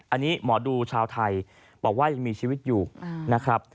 อันนี้หมอดูชาวไทยบอกว่ายังมีชีวิตอยู่นะครับ